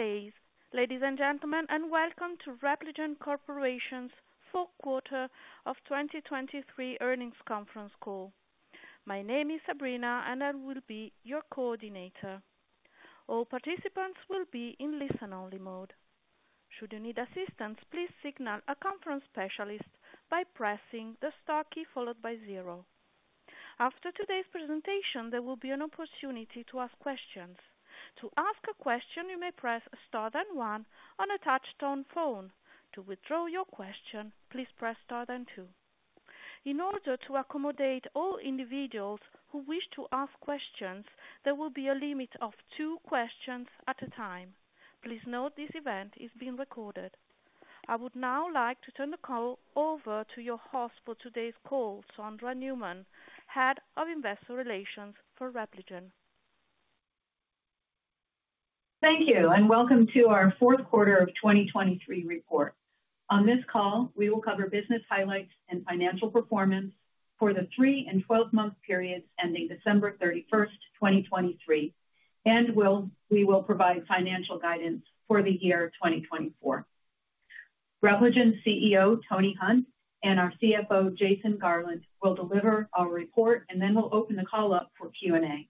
Good day, ladies and gentlemen, and welcome to Repligen Corporation's fourth quarter of 2023 earnings conference call. My name is Sabrina, and I will be your coordinator. All participants will be in listen-only mode. Should you need assistance, please signal a conference specialist by pressing the star key followed by zero. After today's presentation, there will be an opportunity to ask questions. To ask a question, you may press star then one on a touch-tone phone. To withdraw your question, please press star then two. In order to accommodate all individuals who wish to ask questions, there will be a limit of two questions at a time. Please note this event is being recorded. I would now like to turn the call over to your host for today's call, Sondra Newman, head of investor relations for Repligen. Thank you, and welcome to our fourth quarter of 2023 report. On this call, we will cover business highlights and financial performance for the three and 12-month periods ending December 31st, 2023, and we will provide financial guidance for the year 2024. Repligen CEO Tony Hunt and our CFO Jason Garland will deliver our report, and then we'll open the call up for Q&A.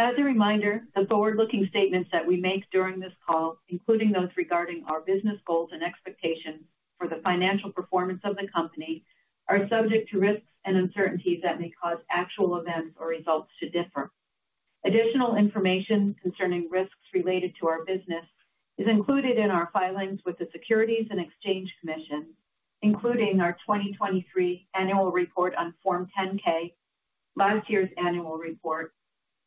As a reminder, the forward-looking statements that we make during this call, including those regarding our business goals and expectations for the financial performance of the company, are subject to risks and uncertainties that may cause actual events or results to differ. Additional information concerning risks related to our business is included in our filings with the Securities and Exchange Commission, including our 2023 annual report on Form 10-K, last year's annual report,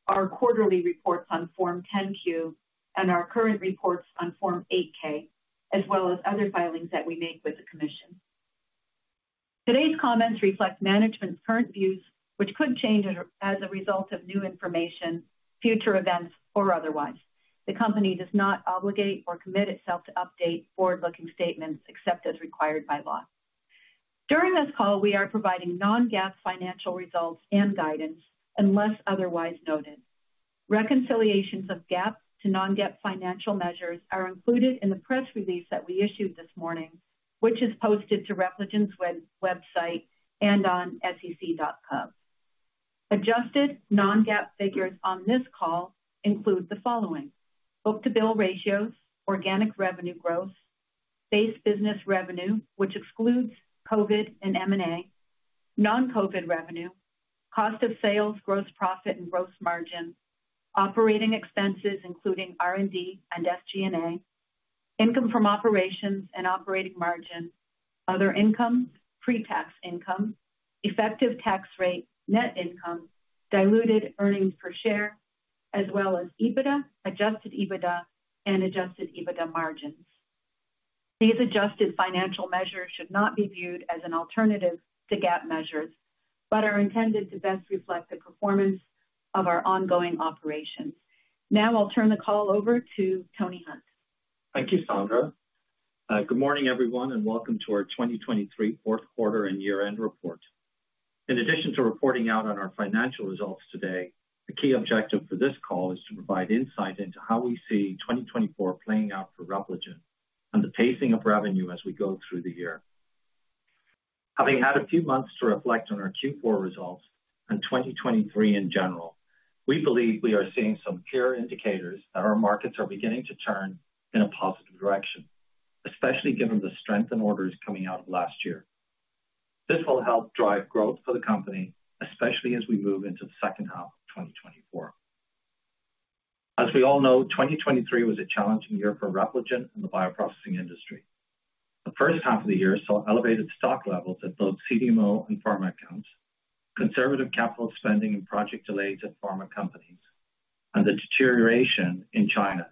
our quarterly reports on Form 10-Q, and our current reports on Form 8-K, as well as other filings that we make with the commission. Today's comments reflect management's current views, which could change as a result of new information, future events, or otherwise. The company does not obligate or commit itself to update forward-looking statements except as required by law. During this call, we are providing non-GAAP financial results and guidance unless otherwise noted. Reconciliations of GAAP to non-GAAP financial measures are included in the press release that we issued this morning, which is posted to Repligen's website and on SEC.gov. Adjusted non-GAAP figures on this call include the following: book-to-bill ratio, organic revenue growth, base business revenue, which excludes COVID and M&A, non-COVID revenue, cost of sales, gross profit, and gross margin, operating expenses including R&D and SG&A, income from operations and operating margin, other income, pre-tax income, effective tax rate, net income, diluted earnings per share, as well as EBITDA, adjusted EBITDA, and adjusted EBITDA margins. These adjusted financial measures should not be viewed as an alternative to GAAP measures but are intended to best reflect the performance of our ongoing operations. Now I'll turn the call over to Tony Hunt. Thank you, Sondra. Good morning, everyone, and welcome to our 2023 fourth quarter and year-end report. In addition to reporting out on our financial results today, the key objective for this call is to provide insight into how we see 2024 playing out for Repligen and the pacing of revenue as we go through the year. Having had a few months to reflect on our Q4 results and 2023 in general, we believe we are seeing some clear indicators that our markets are beginning to turn in a positive direction, especially given the strengthened orders coming out of last year. This will help drive growth for the company, especially as we move into the second half of 2024. As we all know, 2023 was a challenging year for Repligen and the bioprocessing industry. The first half of the year saw elevated stock levels at both CDMO and pharma accounts, conservative capital spending and project delays at pharma companies, and the deterioration in China,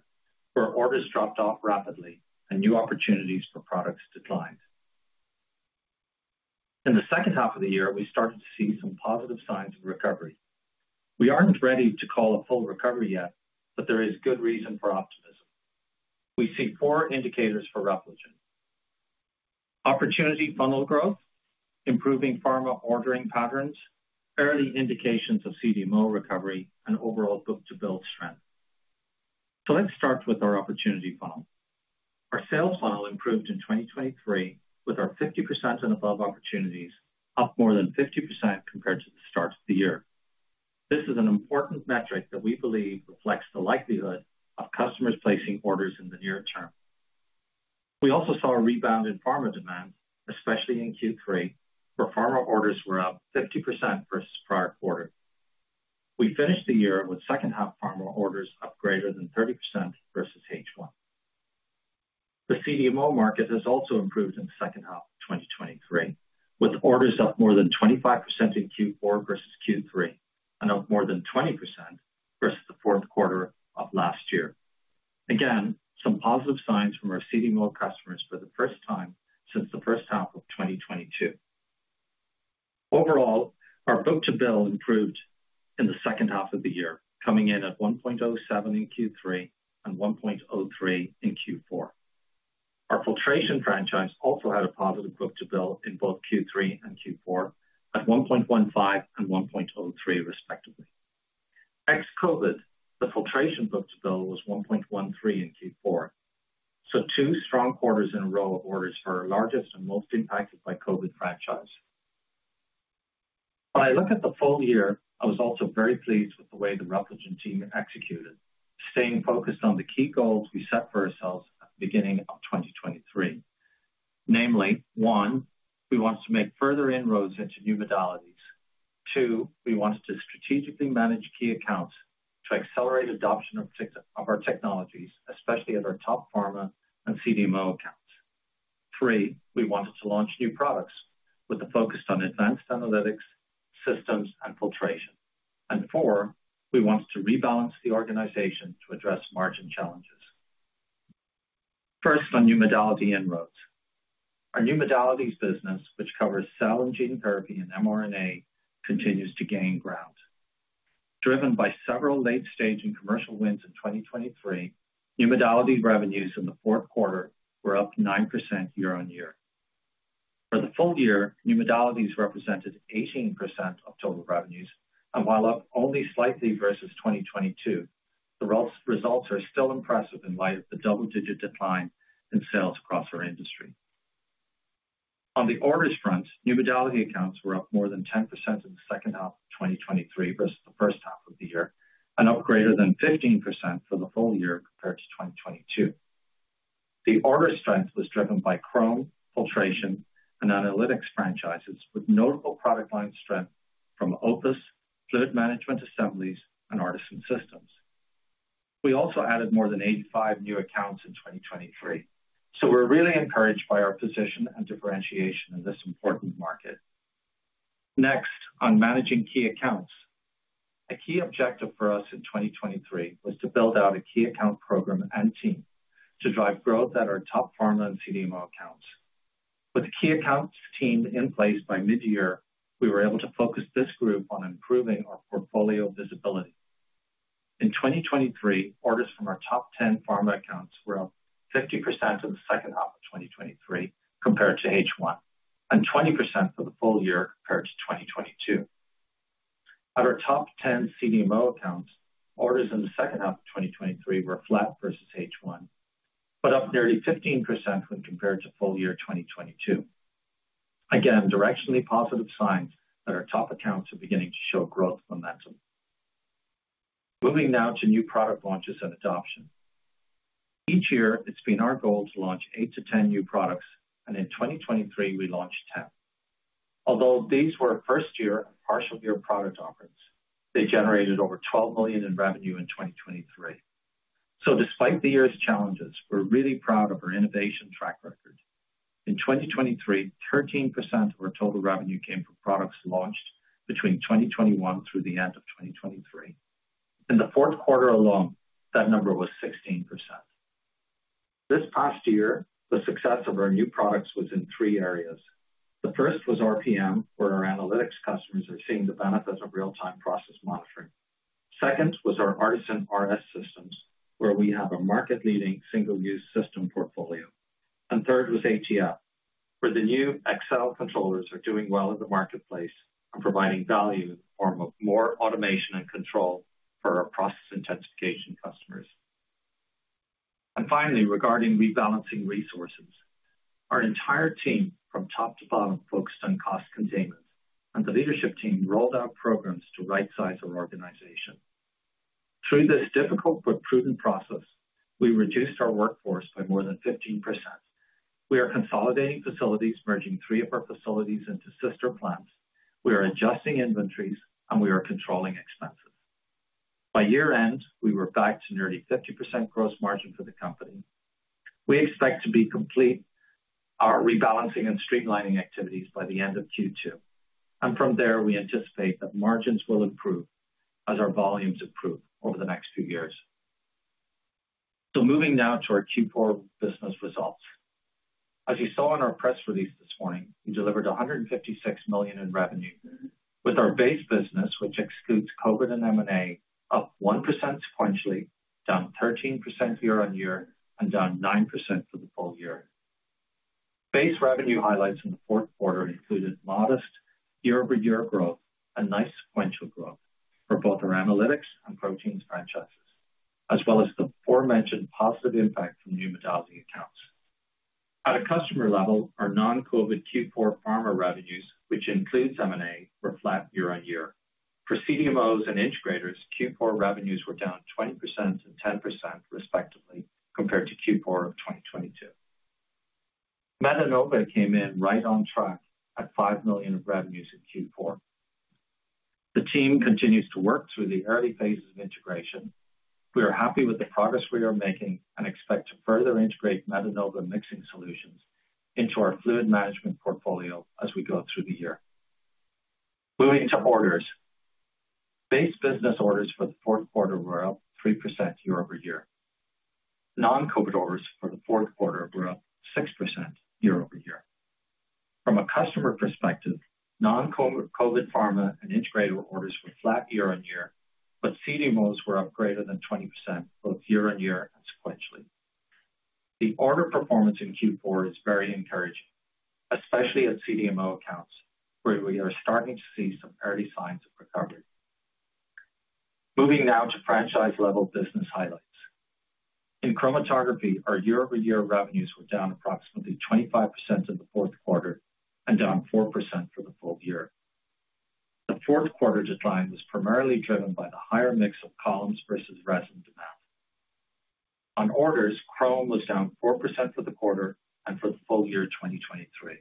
where orders dropped off rapidly and new opportunities for products declined. In the second half of the year, we started to see some positive signs of recovery. We aren't ready to call a full recovery yet, but there is good reason for optimism. We see four indicators for Repligen: opportunity funnel growth, improving pharma ordering patterns, early indications of CDMO recovery, and overall book-to-bill strength. So let's start with our opportunity funnel. Our sales funnel improved in 2023 with our 50% and above opportunities up more than 50% compared to the start of the year. This is an important metric that we believe reflects the likelihood of customers placing orders in the near term. We also saw a rebound in pharma demand, especially in Q3, where pharma orders were up 50% versus prior quarter. We finished the year with second-half pharma orders up greater than 30% versus H1. The CDMO market has also improved in the second half of 2023, with orders up more than 25% in Q4 versus Q3 and up more than 20% versus the fourth quarter of last year. Again, some positive signs from our CDMO customers for the first time since the first half of 2022. Overall, our book-to-bill improved in the second half of the year, coming in at 1.07 in Q3 and 1.03x in Q4. Our filtration franchise also had a positive book-to-bill in both Q3 and Q4 at 1.15x and 1.03x, respectively. Ex-COVID, the filtration book-to-bill was 1.13x in Q4, so two strong quarters in a row of orders for our largest and most impacted by COVID franchise. When I look at the full year, I was also very pleased with the way the Repligen team executed, staying focused on the key goals we set for ourselves at the beginning of 2023, namely: one, we wanted to make further inroads into new modalities. Two, we wanted to strategically manage key accounts to accelerate adoption of our technologies, especially at our top pharma and CDMO accounts. Three, we wanted to launch new products with a focus on advanced analytics, systems, and filtration. And four, we wanted to rebalance the organization to address margin challenges. First, on new modality inroads. Our new modalities business, which covers cell and gene therapy and mRNA, continues to gain ground. Driven by several late-stage and commercial wins in 2023, new modality revenues in the fourth quarter were up 9% year-over-year. For the full year, new modalities represented 18% of total revenues, and while up only slightly versus 2022, the results are still impressive in light of the double-digit decline in sales across our industry. On the orders front, new modality accounts were up more than 10% in the second half of 2023 versus the first half of the year and up greater than 15% for the full year compared to 2022. The order strength was driven by Chromatography, filtration, and analytics franchises, with notable product line strength from OPUS, fluid management assemblies, and ARTeSYN Systems. We also added more than 85 new accounts in 2023, so we're really encouraged by our position and differentiation in this important market. Next, on managing key accounts. A key objective for us in 2023 was to build out a key account program and team to drive growth at our top pharma and CDMO accounts. With the key accounts team in place by mid-year, we were able to focus this group on improving our portfolio visibility. In 2023, orders from our top 10 pharma accounts were up 50% in the second half of 2023 compared to H1 and 20% for the full year compared to 2022. At our top 10 CDMO accounts, orders in the second half of 2023 were flat versus H1 but up nearly 15% when compared to full year 2022, again directionally positive signs that our top accounts are beginning to show growth momentum. Moving now to new product launches and adoption. Each year, it's been our goal to launch eight to 10 new products, and in 2023, we launched 10. Although these were first-year and partial-year product offerings, they generated over $12 million in revenue in 2023. So despite the year's challenges, we're really proud of our innovation track record. In 2023, 13% of our total revenue came from products launched between 2021 through the end of 2023. In the fourth quarter alone, that number was 16%. This past year, the success of our new products was in three areas. The first was RPM, where our analytics customers are seeing the benefits of real-time process monitoring. Second was our ARTeSYN RS Systems, where we have a market-leading single-use system portfolio. And third was ATF, where the new XCell controllers are doing well in the marketplace and providing value in the form of more automation and control for our process intensification customers. And finally, regarding rebalancing resources, our entire team from top to bottom focused on cost containment, and the leadership team rolled out programs to right-size our organization. Through this difficult but prudent process, we reduced our workforce by more than 15%. We are consolidating facilities, merging three of our facilities into sister plants. We are adjusting inventories, and we are controlling expenses. By year-end, we were back to nearly 50% gross margin for the company. We expect to be complete our rebalancing and streamlining activities by the end of Q2, and from there, we anticipate that margins will improve as our volumes improve over the next few years. So moving now to our Q4 business results. As you saw in our press release this morning, we delivered $156 million in revenue, with our base business, which excludes COVID and M&A, up 1% sequentially, down 13% year-over-year, and down 9% for the full year. Base revenue highlights in the fourth quarter included modest year-over-year growth and nice sequential growth for both our Analytics and Proteins franchises, as well as the aforementioned positive impact from new modality accounts. At a customer level, our non-COVID Q4 pharma revenues, which includes M&A, were flat year-over-year. For CDMOs and integrators, Q4 revenues were down 20% and 10%, respectively, compared to Q4 of 2022. Metenova came in right on track at $5 million of revenues in Q4. The team continues to work through the early phases of integration. We are happy with the progress we are making and expect to further integrate Metenova mixing solutions into our fluid management portfolio as we go through the year. Moving to orders. Base business orders for the fourth quarter were up 3% year-over-year. Non-COVID orders for the fourth quarter were up 6% year-over-year. From a customer perspective, non-COVID pharma and integrator orders were flat year-over-year, but CDMOs were up greater than 20% both year-over-year and sequentially. The order performance in Q4 is very encouraging, especially at CDMO accounts, where we are starting to see some early signs of recovery. Moving now to franchise-level business highlights. In chromatography, our year-over-year revenues were down approximately 25% in the fourth quarter and down 4% for the full year. The fourth quarter decline was primarily driven by the higher mix of columns versus resin demand. On orders, Chromatography was down 4% for the quarter and for the full year 2023.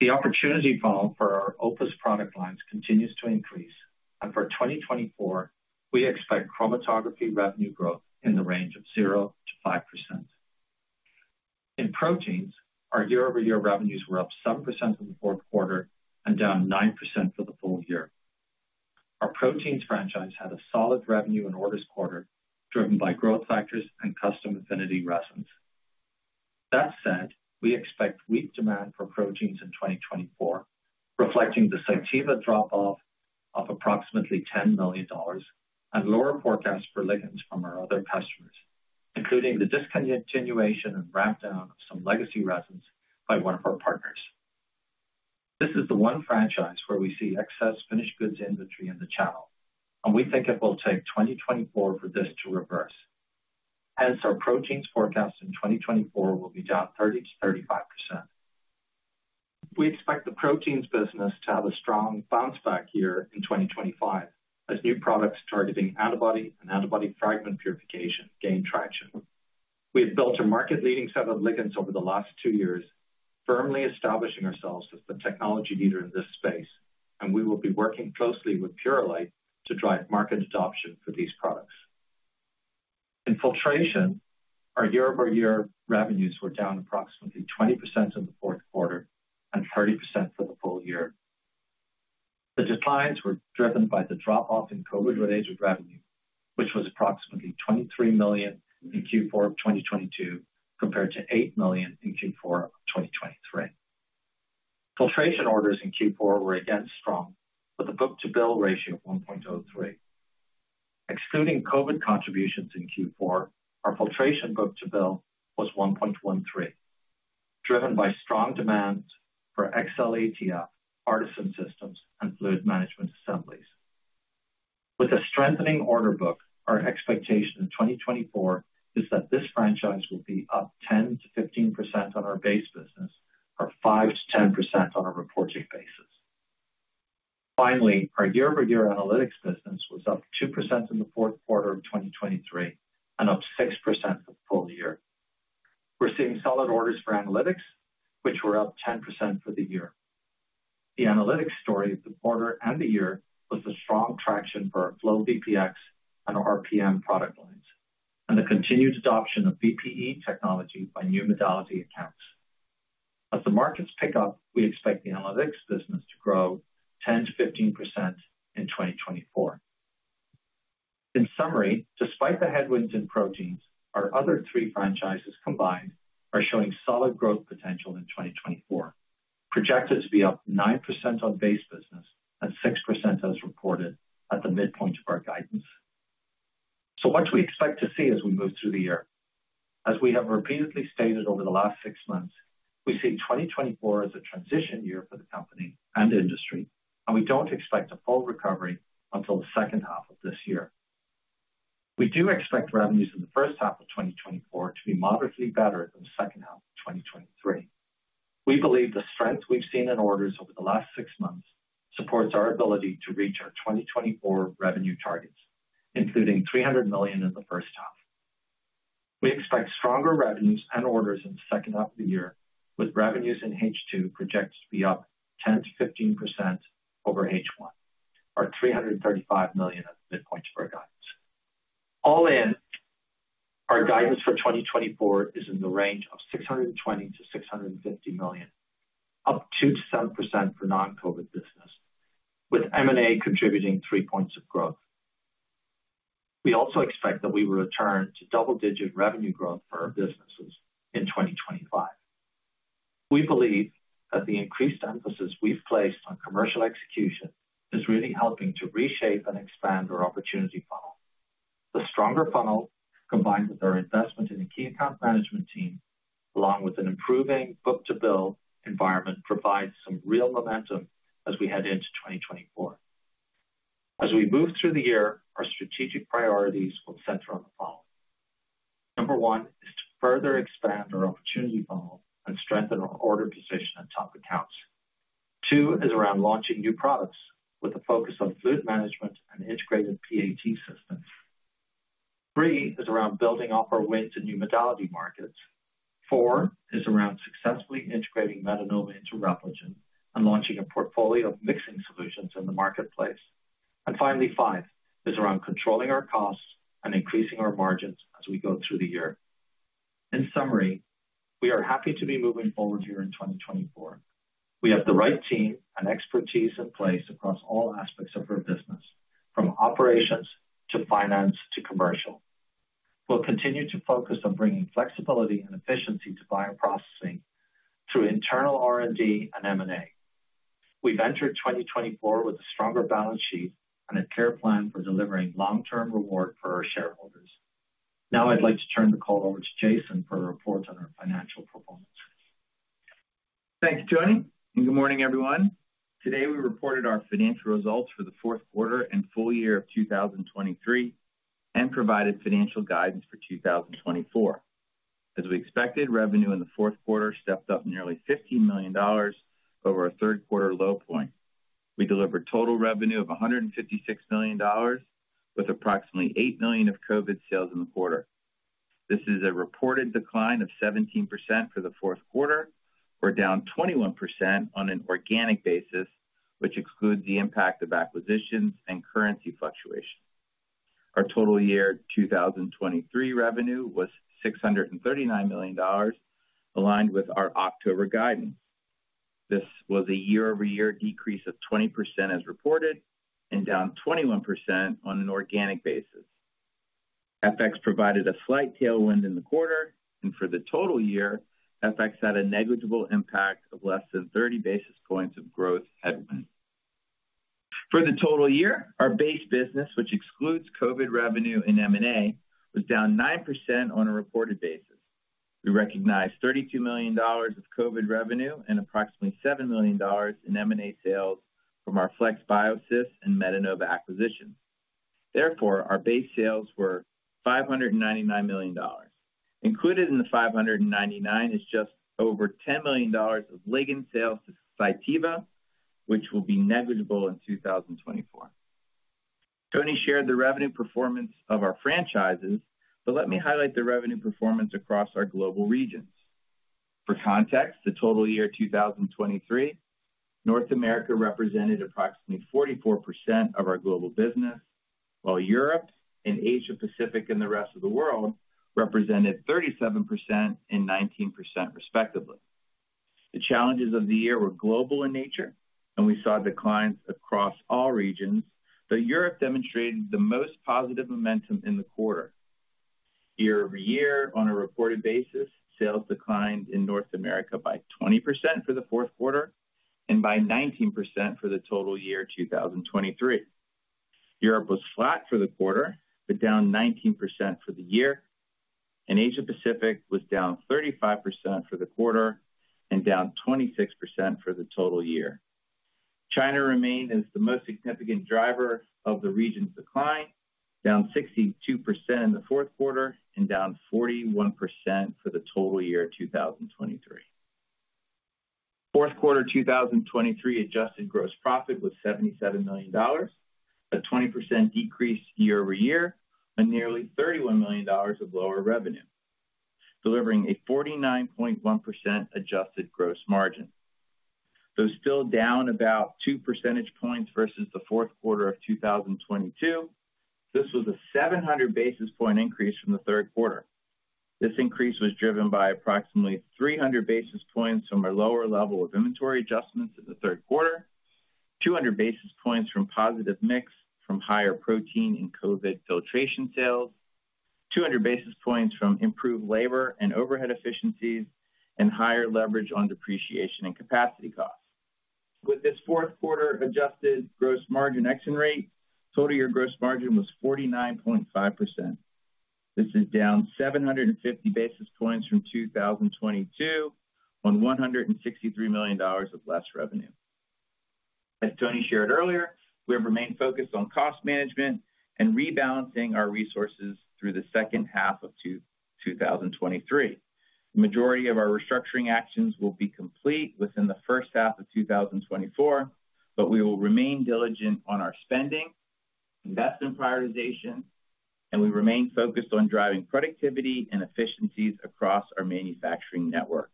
The opportunity funnel for our OPUS product lines continues to increase, and for 2024, we expect chromatography revenue growth in the range of 0%-5%. In proteins, our year-over-year revenues were up 7% in the fourth quarter and down 9% for the full year. Our proteins franchise had a solid revenue and orders quarter driven by growth factors and custom affinity resins. That said, we expect weak demand for proteins in 2024, reflecting the Cytiva drop-off of approximately $10 million and lower forecasts for ligands from our other customers, including the discontinuation and rampdown of some legacy resins by one of our partners. This is the one franchise where we see excess finished goods inventory in the channel, and we think it will take 2024 for this to reverse. Hence, our proteins forecast in 2024 will be down 30%-35%. We expect the proteins business to have a strong bounce-back year in 2025 as new products targeting antibody and antibody fragment purification gain traction. We have built a market-leading set of ligands over the last two years, firmly establishing ourselves as the technology leader in this space, and we will be working closely with Purolite to drive market adoption for these products. In filtration, our year-over-year revenues were down approximately 20% in the fourth quarter and 30% for the full year. The declines were driven by the drop-off in COVID-related revenue, which was approximately $23 million in Q4 of 2022 compared to $8 million in Q4 of 2023. Filtration orders in Q4 were, again, strong with a book-to-bill ratio of 1.03x. Excluding COVID contributions in Q4, our filtration book-to-bill was 1.13x, driven by strong demand for XCell ATF, ARTeSYN Systems, and fluid management assemblies. With a strengthening order book, our expectation in 2024 is that this franchise will be up 10%-15% on our base business or 5%-10% on a reporting basis. Finally, our year-over-year analytics business was up 2% in the fourth quarter of 2023 and up 6% for the full year. We're seeing solid orders for analytics, which were up 10% for the year. The analytics story of the quarter and the year was the strong traction for our FlowVPX and our RPM product lines and the continued adoption of BPE technology by new modality accounts. As the markets pick up, we expect the analytics business to grow 10%-15% in 2024. In summary, despite the headwinds in Proteins, our other three franchises combined are showing solid growth potential in 2024, projected to be up 9% on base business and 6% as reported at the midpoint of our guidance. So what do we expect to see as we move through the year? As we have repeatedly stated over the last six months, we see 2024 as a transition year for the company and industry, and we don't expect a full recovery until the second half of this year. We do expect revenues in the first half of 2024 to be moderately better than the second half of 2023. We believe the strength we've seen in orders over the last six months supports our ability to reach our 2024 revenue targets, including $300 million in the first half. We expect stronger revenues and orders in the second half of the year, with revenues in H2 projected to be up 10%-15% over H1 or $335 million at the midpoint of our guidance. All in, our guidance for 2024 is in the range of $620 million-$650 million, up 2%-7% for non-COVID business, with M&A contributing three points of growth. We also expect that we will return to double-digit revenue growth for our businesses in 2025. We believe that the increased emphasis we've placed on commercial execution is really helping to reshape and expand our opportunity funnel. The stronger funnel, combined with our investment in the key account management team, along with an improving book-to-bill environment, provides some real momentum as we head into 2024. As we move through the year, our strategic priorities will center on the following. Number one is to further expand our opportunity funnel and strengthen our order position at top accounts. Two is around launching new products with a focus on fluid management and integrated PAT systems. Three is around building off our wins in new modality markets. Four is around successfully integrating Metenova into Repligen and launching a portfolio of mixing solutions in the marketplace. And finally, Five is around controlling our costs and increasing our margins as we go through the year. In summary, we are happy to be moving forward here in 2024. We have the right team and expertise in place across all aspects of our business, from operations to finance to commercial. We'll continue to focus on bringing flexibility and efficiency to bioprocessing through internal R&D and M&A. We've entered 2024 with a stronger balance sheet and a clear plan for delivering long-term reward for our shareholders. Now I'd like to turn the call over to Jason for a report on our financial performance. Thank you, Tony, and good morning, everyone. Today, we reported our financial results for the fourth quarter and full year of 2023 and provided financial guidance for 2024. As we expected, revenue in the fourth quarter stepped up nearly $15 million over our third quarter low point. We delivered total revenue of $156 million, with approximately $8 million of COVID sales in the quarter. This is a reported decline of 17% for the fourth quarter. We're down 21% on an organic basis, which excludes the impact of acquisitions and currency fluctuations. Our total year 2023 revenue was $639 million, aligned with our October guidance. This was a year-over-year decrease of 20% as reported and down 21% on an organic basis. FX provided a slight tailwind in the quarter, and for the total year, FX had a negligible impact of less than 30 basis points of growth headwind. For the total year, our base business, which excludes COVID revenue and M&A, was down 9% on a reported basis. We recognize $32 million of COVID revenue and approximately $7 million in M&A sales from our FlexBiosys and Metenova acquisitions. Therefore, our base sales were $599 million. Included in the $599 is just over $10 million of ligand sales to Cytiva, which will be negligible in 2024. Tony shared the revenue performance of our franchises, but let me highlight the revenue performance across our global regions. For context, the total year 2023, North America represented approximately 44% of our global business, while Europe and Asia-Pacific and the rest of the world represented 37% and 19%, respectively. The challenges of the year were global in nature, and we saw declines across all regions, though Europe demonstrated the most positive momentum in the quarter. Year-over-year, on a reported basis, sales declined in North America by 20% for the fourth quarter and by 19% for the total year 2023. Europe was flat for the quarter but down 19% for the year, and Asia-Pacific was down 35% for the quarter and down 26% for the total year. China remained as the most significant driver of the region's decline, down 62% in the fourth quarter and down 41% for the total year 2023. Fourth quarter 2023 adjusted gross profit was $77 million, a 20% decrease year-over-year and nearly $31 million of lower revenue, delivering a 49.1% adjusted gross margin. Though still down about 2 percentage points versus the fourth quarter of 2022, this was a 700 basis point increase from the third quarter. This increase was driven by approximately 300 basis points from our lower level of inventory adjustments in the third quarter, 200 basis points from positive mix from higher protein and COVID filtration sales, 200 basis points from improved labor and overhead efficiencies, and higher leverage on depreciation and capacity costs. With this fourth quarter adjusted gross margin exit rate, total year gross margin was 49.5%. This is down 750 basis points from 2022 on $163 million of less revenue. As Tony shared earlier, we have remained focused on cost management and rebalancing our resources through the second half of 2023. The majority of our restructuring actions will be complete within the first half of 2024, but we will remain diligent on our spending, investment prioritization, and we remain focused on driving productivity and efficiencies across our manufacturing network.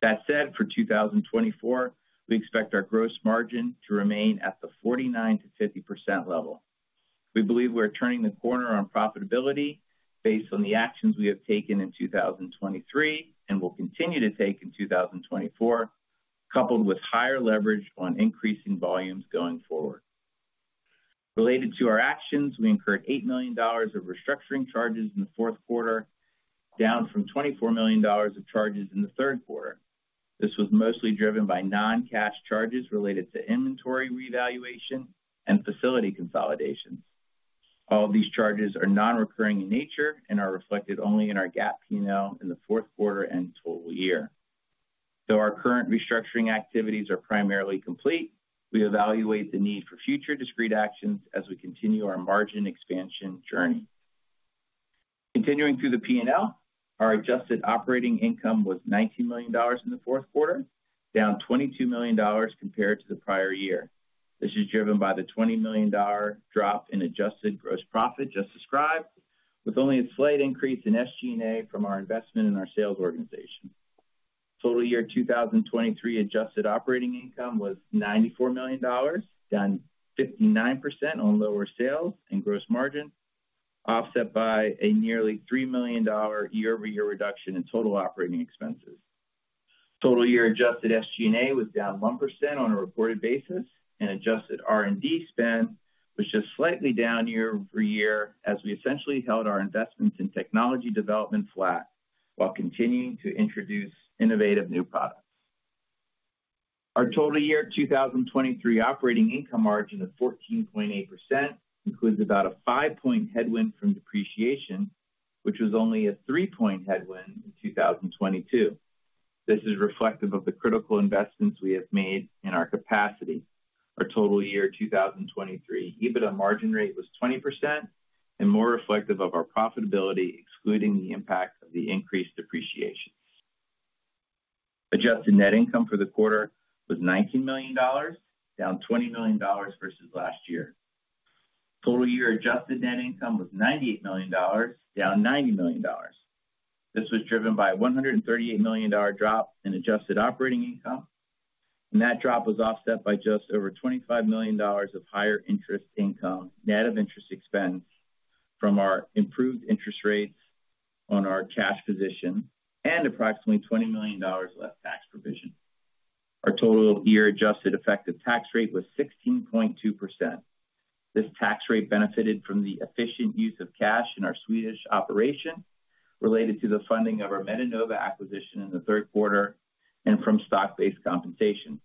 That said, for 2024, we expect our gross margin to remain at the 49%-50% level. We believe we're turning the corner on profitability based on the actions we have taken in 2023 and will continue to take in 2024, coupled with higher leverage on increasing volumes going forward. Related to our actions, we incurred $8 million of restructuring charges in the fourth quarter, down from $24 million of charges in the third quarter. This was mostly driven by non-cash charges related to inventory revaluation and facility consolidations. All of these charges are non-recurring in nature and are reflected only in our GAAP P&L in the fourth quarter and total year. Though our current restructuring activities are primarily complete, we evaluate the need for future discrete actions as we continue our margin expansion journey. Continuing through the P&L, our adjusted operating income was $19 million in the fourth quarter, down $22 million compared to the prior year. This is driven by the $20 million drop in adjusted gross profit just described, with only a slight increase in SG&A from our investment in our sales organization. Total year 2023 adjusted operating income was $94 million, down 59% on lower sales and gross margin, offset by a nearly $3 million year-over-year reduction in total operating expenses. Total year adjusted SG&A was down 1% on a reported basis, and adjusted R&D spend was just slightly down year over year as we essentially held our investments in technology development flat while continuing to introduce innovative new products. Our total year 2023 operating income margin of 14.8% includes about a five-point headwind from depreciation, which was only a three-point headwind in 2022. This is reflective of the critical investments we have made in our capacity. Our total year 2023 EBITDA margin rate was 20% and more reflective of our profitability, excluding the impact of the increased depreciation. Adjusted net income for the quarter was $19 million, down $20 million versus last year. Total year adjusted net income was $98 million, down $90 million. This was driven by a $138 million drop in adjusted operating income, and that drop was offset by just over $25 million of higher interest income, net of interest expense, from our improved interest rates on our cash position and approximately $20 million less tax provision. Our total year adjusted effective tax rate was 16.2%. This tax rate benefited from the efficient use of cash in our Swedish operation related to the funding of our Metenova acquisition in the third quarter and from stock-based compensation.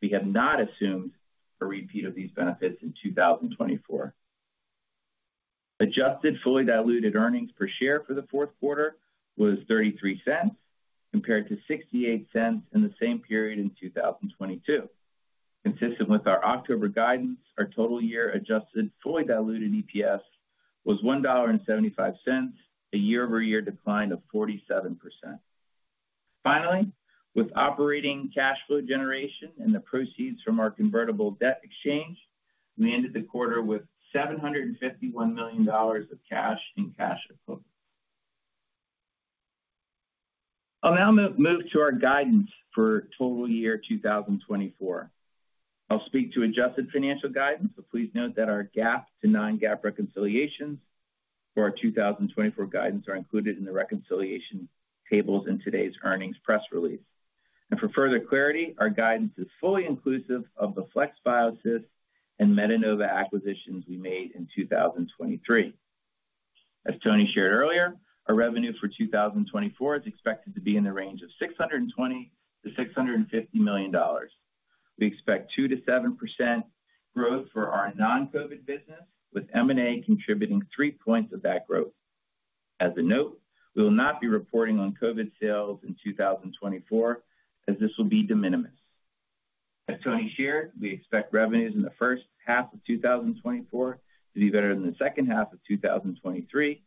We have not assumed a repeat of these benefits in 2024. Adjusted fully diluted earnings per share for the fourth quarter was $0.33 compared to $0.68 in the same period in 2022. Consistent with our October guidance, our total year adjusted fully diluted EPS was $1.75, a year-over-year decline of 47%. Finally, with operating cash flow generation and the proceeds from our convertible debt exchange, we ended the quarter with $751 million of cash and cash equivalent. I'll now move to our guidance for total year 2024. I'll speak to adjusted financial guidance, so please note that our GAAP to non-GAAP reconciliations for our 2024 guidance are included in the reconciliation tables in today's earnings press release. For further clarity, our guidance is fully inclusive of the FlexBiosys and Metenova acquisitions we made in 2023. As Tony shared earlier, our revenue for 2024 is expected to be in the range of $620 million-$650 million. We expect 2%-7% growth for our non-COVID business, with M&A contributing three points of that growth. As a note, we will not be reporting on COVID sales in 2024 as this will be de minimis. As Tony shared, we expect revenues in the first half of 2024 to be better than the second half of 2023,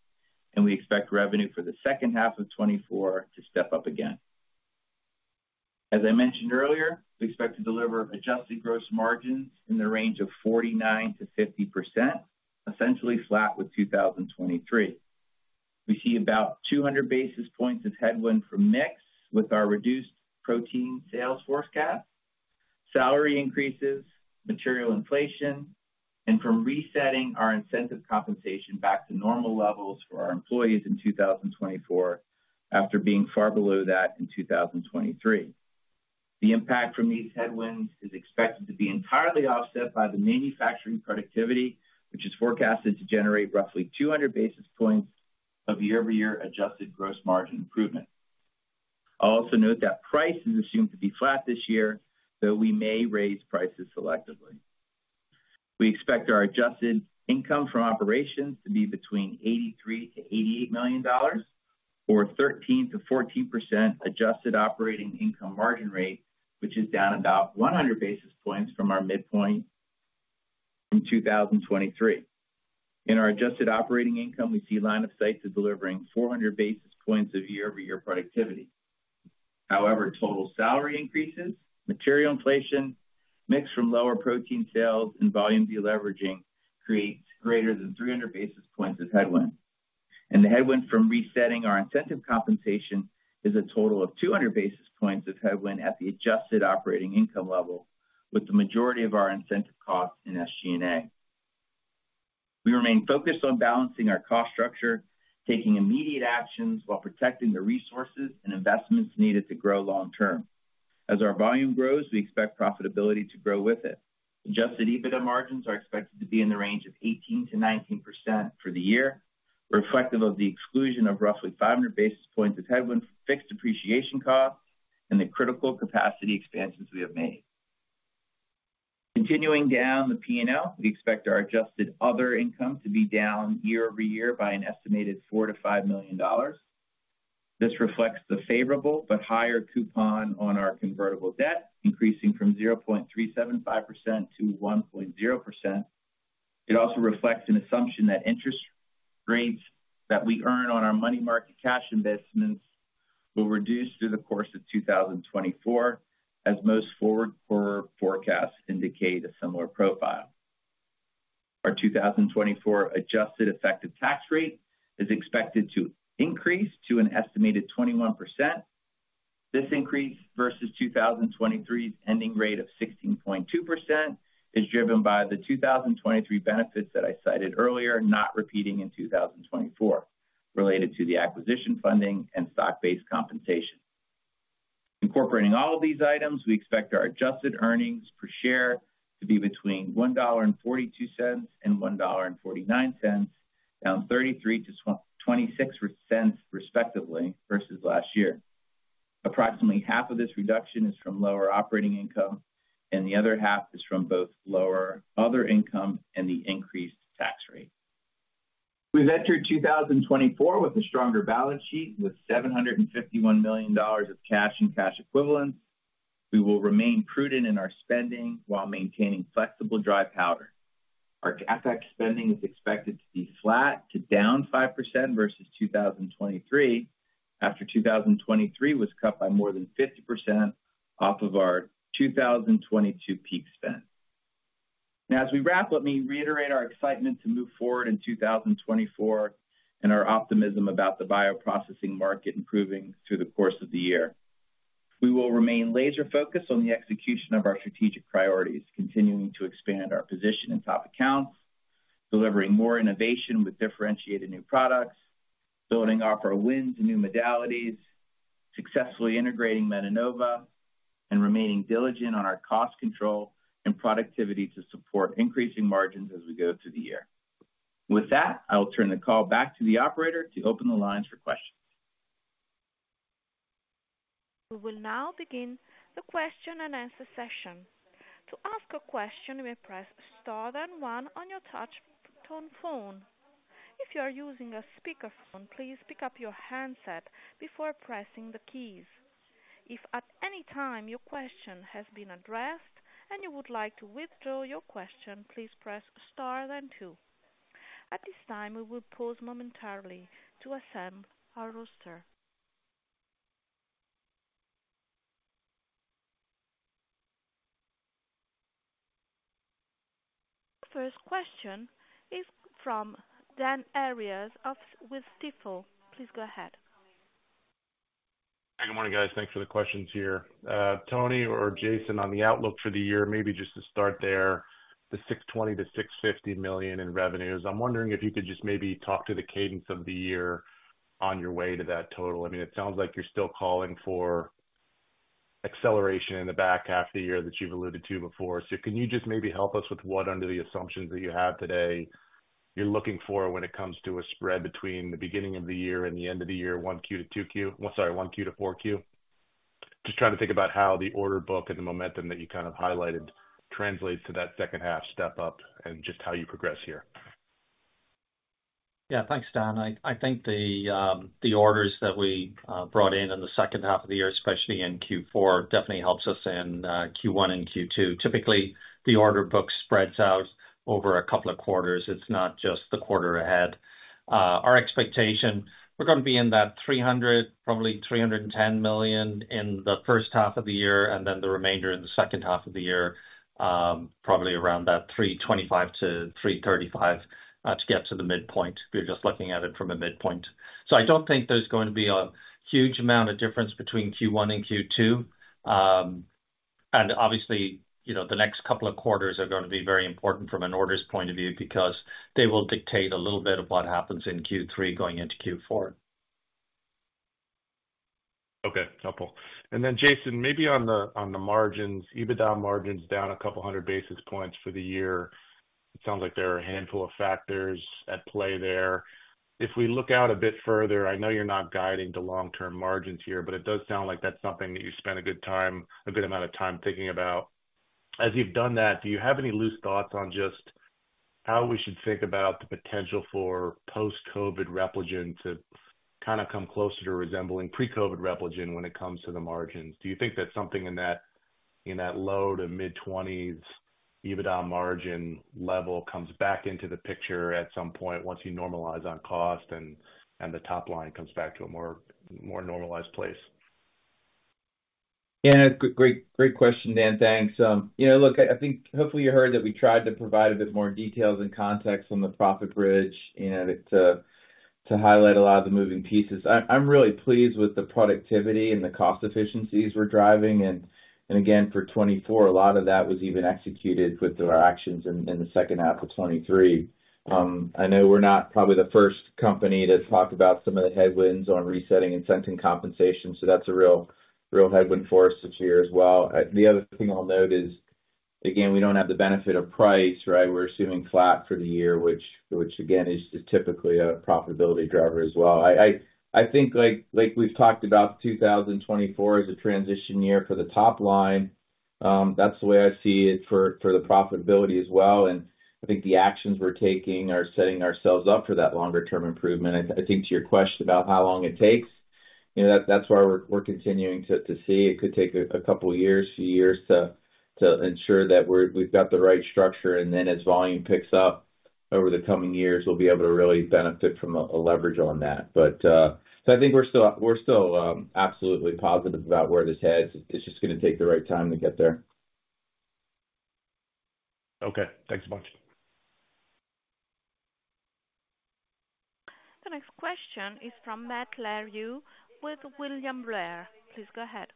and we expect revenue for the second half of 2024 to step up again. As I mentioned earlier, we expect to deliver adjusted gross margins in the range of 49%-50%, essentially flat with 2023. We see about 200 basis points of headwind from mix with our reduced protein sales forecast, salary increases, material inflation, and from resetting our incentive compensation back to normal levels for our employees in 2024 after being far below that in 2023. The impact from these headwinds is expected to be entirely offset by the manufacturing productivity, which is forecasted to generate roughly 200 basis points of year-over-year adjusted gross margin improvement. I'll also note that price is assumed to be flat this year, though we may raise prices selectively. We expect our adjusted income from operations to be between $83 million-$88 million, or 13%-14% adjusted operating income margin rate, which is down about 100 basis points from our midpoint in 2023. In our adjusted operating income, we see line of sight to delivering 400 basis points of year-over-year productivity. However, total salary increases, material inflation, mix from lower protein sales, and volume deleveraging create greater than 300 basis points of headwind. The headwind from resetting our incentive compensation is a total of 200 basis points of headwind at the adjusted operating income level, with the majority of our incentive costs in SG&A. We remain focused on balancing our cost structure, taking immediate actions while protecting the resources and investments needed to grow long-term. As our volume grows, we expect profitability to grow with it. Adjusted EBITDA margins are expected to be in the range of 18%-19% for the year, reflective of the exclusion of roughly 500 basis points of headwind from fixed depreciation costs and the critical capacity expansions we have made. Continuing down the P&L, we expect our adjusted other income to be down year-over-year by an estimated $4 million-$5 million. This reflects the favorable but higher coupon on our convertible debt, increasing from 0.375% to 1.0%. It also reflects an assumption that interest rates that we earn on our money market cash investments will reduce through the course of 2024, as most forward quarter forecasts indicate a similar profile. Our 2024 adjusted effective tax rate is expected to increase to an estimated 21%. This increase versus 2023's ending rate of 16.2% is driven by the 2023 benefits that I cited earlier, not repeating in 2024 related to the acquisition funding and stock-based compensation. Incorporating all of these items, we expect our adjusted earnings per share to be between $1.42 and $1.49, down $0.33-$0.26, respectively, versus last year. Approximately half of this reduction is from lower operating income, and the other half is from both lower other income and the increased tax rate. We've entered 2024 with a stronger balance sheet with $751 million of cash and cash equivalents. We will remain prudent in our spending while maintaining flexible dry powder. Our CapEx spending is expected to be flat to down 5% versus 2023, after 2023 was cut by more than 50% off of our 2022 peak spend. Now, as we wrap, let me reiterate our excitement to move forward in 2024 and our optimism about the bioprocessing market improving through the course of the year. We will remain laser-focused on the execution of our strategic priorities, continuing to expand our position in top accounts, delivering more innovation with differentiated new products, building off our wins in new modalities, successfully integrating Metenova, and remaining diligent on our cost control and productivity to support increasing margins as we go through the year. With that, I will turn the call back to the operator to open the lines for questions. We will now begin the question and answer session. To ask a question, you may press star, then one on your touch-tone phone. If you are using a speakerphone, please pick up your handset before pressing the keys. If at any time your question has been addressed and you would like to withdraw your question, please press star, then two. At this time, we will pause momentarily to assemble our roster. First question is from Dan Arias with Stifel. Please go ahead. Hey, good morning, guys. Thanks for the questions here. Tony or Jason on the outlook for the year, maybe just to start there, the $620 million-$650 million in revenues. I'm wondering if you could just maybe talk to the cadence of the year on your way to that total. I mean, it sounds like you're still calling for acceleration in the back half of the year that you've alluded to before. So can you just maybe help us with what, under the assumptions that you have today, you're looking for when it comes to a spread between the beginning of the year and the end of the year, 1Q to 2Q sorry, 1Q to 4Q? Just trying to think about how the order book and the momentum that you kind of highlighted translates to that second half step up and just how you progress here. Yeah, thanks, Dan. I think the orders that we brought in in the second half of the year, especially in Q4, definitely helps us in Q1 and Q2. Typically, the order book spreads out over a couple of quarters. It's not just the quarter ahead. Our expectation, we're going to be in that $300 million, probably $310 million in the first half of the year, and then the remainder in the second half of the year, probably around that $325 million-$335 million to get to the midpoint. We're just looking at it from a midpoint. So I don't think there's going to be a huge amount of difference between Q1 and Q2. And obviously, the next couple of quarters are going to be very important from an orders point of view because they will dictate a little bit of what happens in Q3 going into Q4. Okay, helpful. And then, Jason, maybe on the margins, EBITDA margins down a couple hundred basis points for the year. It sounds like there are a handful of factors at play there. If we look out a bit further, I know you're not guiding to long-term margins here, but it does sound like that's something that you spent a good amount of time thinking about. As you've done that, do you have any loose thoughts on just how we should think about the potential for post-COVID Repligen to kind of come closer to resembling pre-COVID Repligen when it comes to the margins? Do you think that something in that low to mid-20s EBITDA margin level comes back into the picture at some point once you normalize on cost and the top line comes back to a more normalized place? Yeah, great question, Dan. Thanks. Look, I think hopefully you heard that we tried to provide a bit more details and context on the profit bridge to highlight a lot of the moving pieces. I'm really pleased with the productivity and the cost efficiencies we're driving. And again, for 2024, a lot of that was even executed with our actions in the second half of 2023. I know we're not probably the first company to talk about some of the headwinds on resetting incentive compensation, so that's a real headwind for us this year as well. The other thing I'll note is, again, we don't have the benefit of price, right? We're assuming flat for the year, which, again, is typically a profitability driver as well. I think, like we've talked about, 2024 is a transition year for the top line. That's the way I see it for the profitability as well. And I think the actions we're taking are setting ourselves up for that longer-term improvement. I think to your question about how long it takes, that's why we're continuing to see. It could take a couple years, few years, to ensure that we've got the right structure. And then as volume picks up over the coming years, we'll be able to really benefit from a leverage on that. So I think we're still absolutely positive about where this heads. It's just going to take the right time to get there. Okay. Thanks a bunch. The next question is from Matt Larew with William Blair. Please go ahead.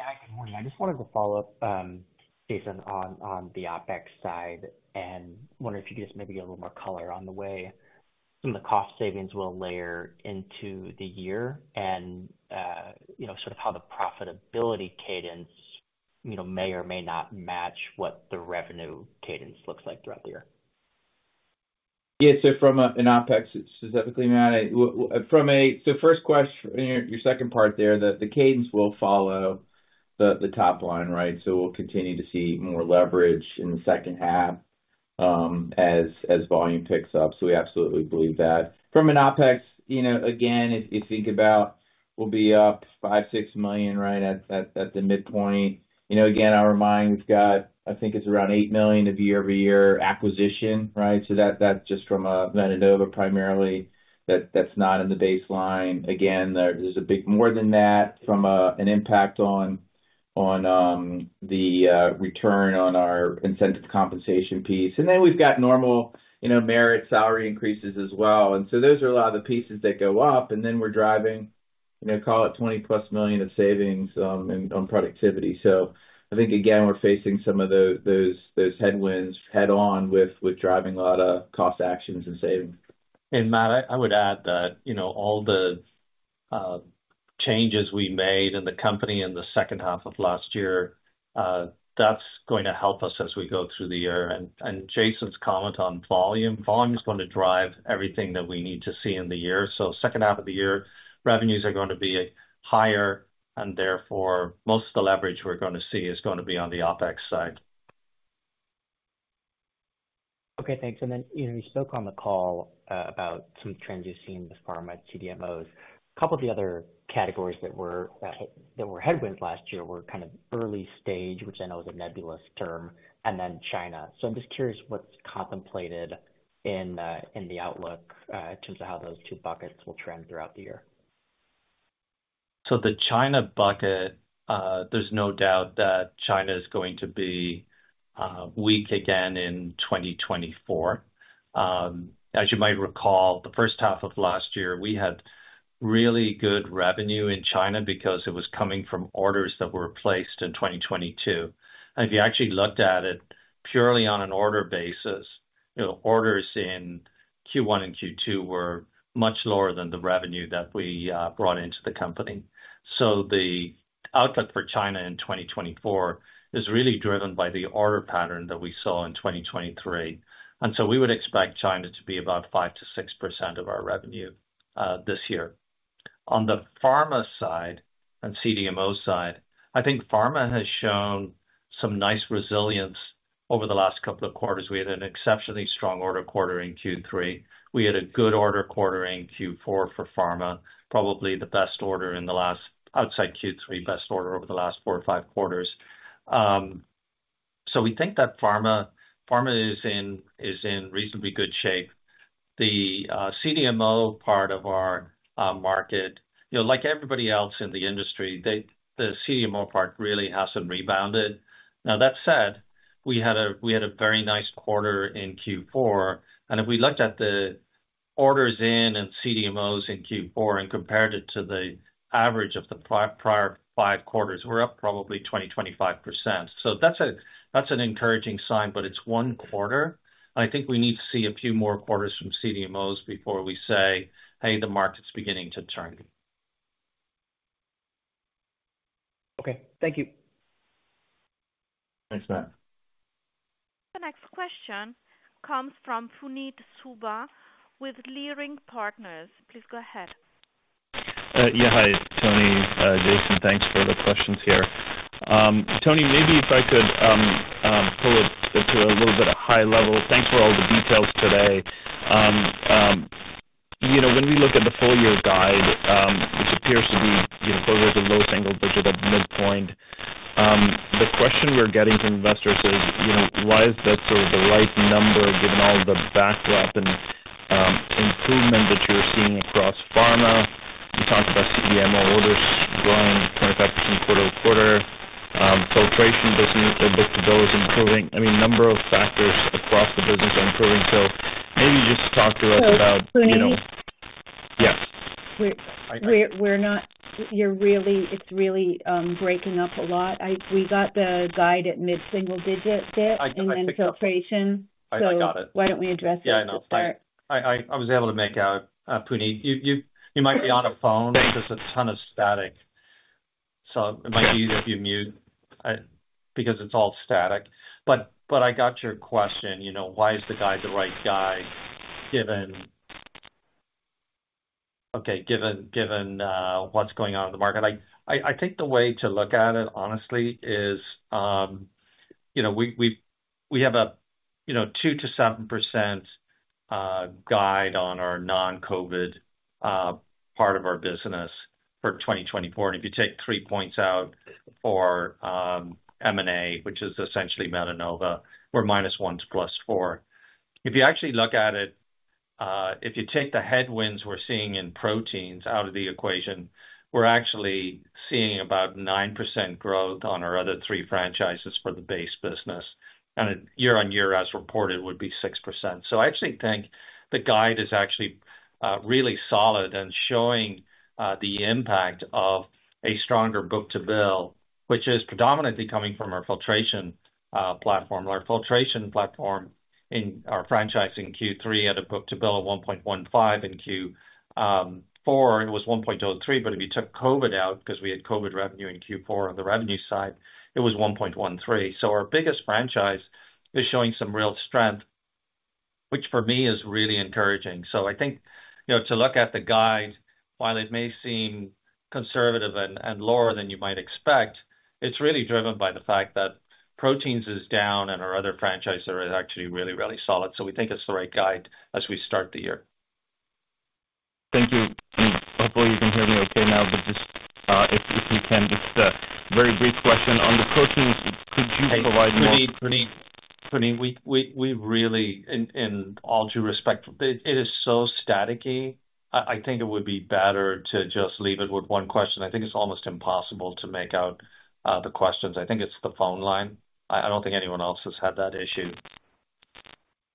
Yeah, good morning. I just wanted to follow up, Jason, on the OpEx side and wonder if you could just maybe get a little more color on the way some of the cost savings will layer into the year and sort of how the profitability cadence may or may not match what the revenue cadence looks like throughout the year. Yeah. So from an OpEx specifically, Matt, from a so first question in your second part there, the cadence will follow the top line, right? So we'll continue to see more leverage in the second half as volume picks up. So we absolutely believe that. From an OpEx, again, if you think about, we'll be up $5 million-$6 million, right, at the midpoint. Again, I'll remind you we've got, I think it's around $8 million of year-over-year acquisition, right? So that's just from Metenova primarily. That's not in the baseline. Again, there's a big more than that from an impact on the return on our incentive compensation piece. And then we've got normal merit salary increases as well. And so those are a lot of the pieces that go up. And then we're driving, call it, $20+ million of savings on productivity. So I think, again, we're facing some of those headwinds head-on with driving a lot of cost actions and savings. And Matt, I would add that all the changes we made in the company in the second half of last year, that's going to help us as we go through the year. And Jason's comment on volume, volume is going to drive everything that we need to see in the year. So second half of the year, revenues are going to be higher, and therefore, most of the leverage we're going to see is going to be on the OpEx side. Okay, thanks. And then you spoke on the call about some trends you've seen thus far amongst CDMOs. A couple of the other categories that were headwinds last year were kind of early stage, which I know is a nebulous term, and then China. So I'm just curious what's contemplated in the outlook in terms of how those two buckets will trend throughout the year. So the China bucket, there's no doubt that China is going to be weak again in 2024. As you might recall, the first half of last year, we had really good revenue in China because it was coming from orders that were placed in 2022. And if you actually looked at it purely on an order basis, orders in Q1 and Q2 were much lower than the revenue that we brought into the company. So the outlook for China in 2024 is really driven by the order pattern that we saw in 2023. And so we would expect China to be about 5%-6% of our revenue this year. On the pharma side and CDMO side, I think pharma has shown some nice resilience over the last couple of quarters. We had an exceptionally strong order quarter in Q3. We had a good order quarter in Q4 for pharma, probably the best order in the last outside Q3, best order over the last four or five quarters. So we think that pharma is in reasonably good shape. The CDMO part of our market, like everybody else in the industry, the CDMO part really hasn't rebounded. Now, that said, we had a very nice quarter in Q4. And if we looked at the orders in and CDMOs in Q4 and compared it to the average of the prior five quarters, we're up probably 20%-25%. So that's an encouraging sign, but it's one quarter. I think we need to see a few more quarters from CDMOs before we say, "Hey, the market's beginning to turn." Okay. Thank you. Thanks, Matt. The next question comes from Puneet Souda with Leerink Partners. Please go ahead. Yeah, hi, Tony. Jason, thanks for the questions here. Tony, maybe if I could pull it to a little bit of high level. Thanks for all the details today. When we look at the full-year guide, which appears to be further to low single digit at midpoint, the question we're getting from investors is, "Why is that sort of the right number given all the backdrop and improvement that you're seeing across pharma?" You talked about CDMO orders growing 25% quarter-over-quarter. Filtration visibility is improving. I mean, number of factors across the business are improving. So maybe just talk to us about yes. We're not—it's really breaking up a lot. We got the guide at mid-single-digit bit and then filtration. I got it. So why don't we address it to start? Yeah, no, thanks. I was able to make out, Puneet, you might be on a phone because there's a ton of static. So it might be easier if you mute because it's all static. But I got your question. Why is the guide the right guide, okay, given what's going on in the market? I think the way to look at it, honestly, is we have a 2%-7% guide on our non-COVID part of our business for 2024. And if you take three points out for M&A, which is essentially Metenova, where -1% to +4%. If you actually look at it, if you take the headwinds we're seeing in Proteins out of the equation, we're actually seeing about 9% growth on our other three franchises for the base business. Year-on-year, as reported, would be 6%. I actually think the guide is actually really solid and showing the impact of a stronger book-to-bill, which is predominantly coming from our Filtration platform. Our Filtration platform in our franchise in Q3 had a book-to-bill of 1.15x. In Q4, it was 1.03x. But if you took COVID out because we had COVID revenue in Q4 on the revenue side, it was 1.13x. Our biggest franchise is showing some real strength, which for me is really encouraging. So I think to look at the guide, while it may seem conservative and lower than you might expect, it's really driven by the fact that Proteins is down and our other franchise that are actually really, really solid. So we think it's the right guide as we start the year. Thank you. And hopefully, you can hear me okay now. But just if you can, just a very brief question. On the Proteins, could you provide more? Puneet, Puneet, Puneet, we've really, in all due respect, it is so staticky. I think it would be better to just leave it with one question. I think it's almost impossible to make out the questions. I think it's the phone line. I don't think anyone else has had that issue.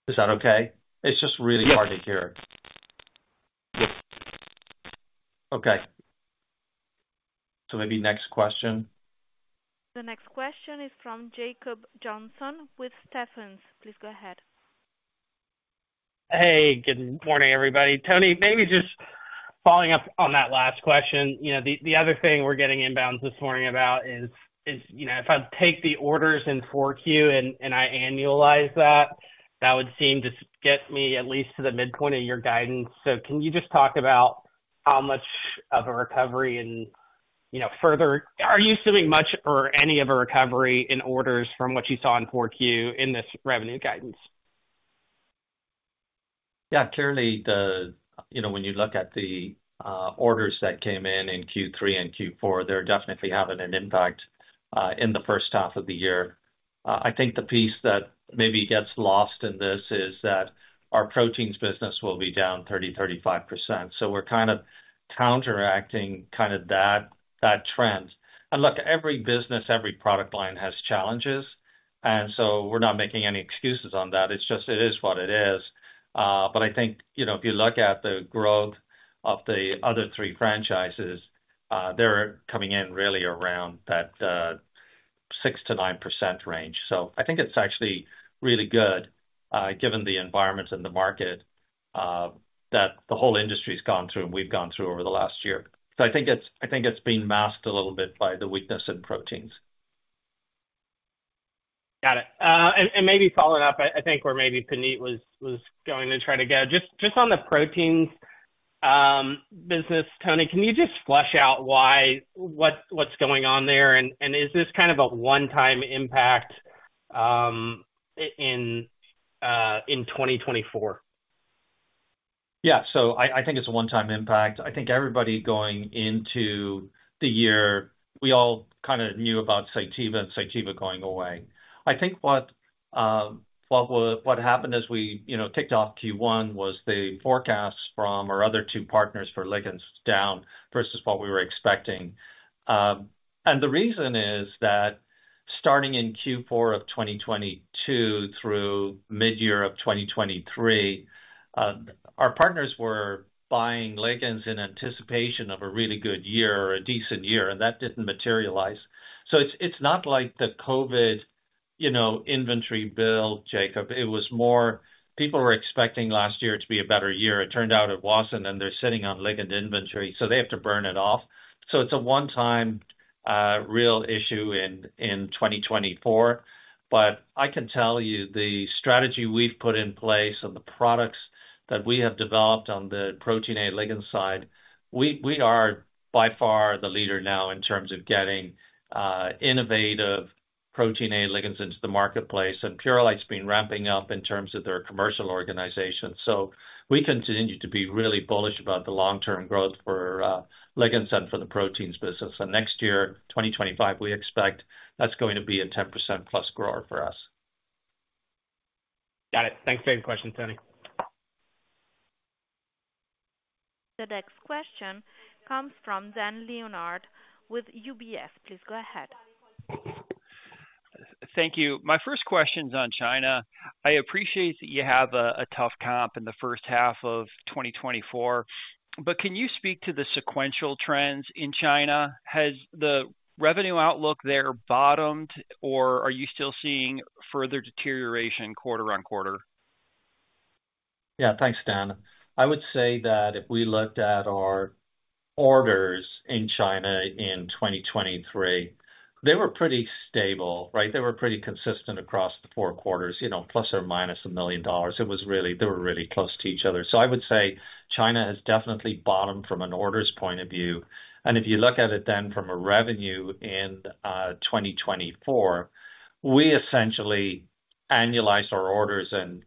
Is that okay? It's just really hard to hear. Yep. Okay. So maybe next question. The next question is from Jacob Johnson with Stephens. Please go ahead. Hey, good morning, everybody. Tony, maybe just following up on that last question. The other thing we're getting inbounds this morning about is if I take the orders in 4Q and I annualize that, that would seem to get me at least to the midpoint of your guidance. So can you just talk about how much of a recovery and further are you assuming much or any of a recovery in orders from what you saw in 4Q in this revenue guidance? Yeah, clearly, when you look at the orders that came in in Q3 and Q4, they're definitely having an impact in the first half of the year. I think the piece that maybe gets lost in this is that our proteins business will be down 30%-35%. So we're kind of counteracting kind of that trend. And look, every business, every product line has challenges. And so we're not making any excuses on that. It's just it is what it is. But I think if you look at the growth of the other three franchises, they're coming in really around that 6%-9% range. So I think it's actually really good given the environment and the market that the whole industry has gone through and we've gone through over the last year. So I think it's been masked a little bit by the weakness in proteins. Got it. And maybe following up, I think where maybe Puneet was going to try to go, just on the proteins business, Tony, can you just flesh out what's going on there? And is this kind of a one-time impact in 2024? Yeah. So I think it's a one-time impact. I think everybody going into the year, we all kind of knew about Cytiva and Cytiva going away. I think what happened as we kicked off Q1 was the forecasts from our other two partners for ligands down versus what we were expecting. And the reason is that starting in Q4 of 2022 through mid-year of 2023, our partners were buying ligands in anticipation of a really good year, a decent year. And that didn't materialize. So it's not like the COVID inventory bill, Jacob. It was more people were expecting last year to be a better year. It turned out it wasn't, and they're sitting on ligand inventory. So they have to burn it off. So it's a one-time real issue in 2024. But I can tell you the strategy we've put in place and the products that we have developed on the Protein A ligand side, we are by far the leader now in terms of getting innovative Protein A ligands into the marketplace. And Purolite's been ramping up in terms of their commercial organization. So we continue to be really bullish about the long-term growth for ligands and for the Proteins business. And next year, 2025, we expect that's going to be a 10%+ grower for us. Got it. Thanks for the question, Tony. The next question comes from Dan Leonard with UBS. Please go ahead. Thank you. My first question's on China. I appreciate that you have a tough comp in the first half of 2024. But can you speak to the sequential trends in China? Has the revenue outlook there bottomed, or are you still seeing further deterioration quarter on quarter? Yeah, thanks, Dan. I would say that if we looked at our orders in China in 2023, they were pretty stable, right? They were pretty consistent across the four quarters, ±$1 million. They were really close to each other. So I would say China has definitely bottomed from an orders point of view. And if you look at it then from a revenue in 2024, we essentially annualized our orders and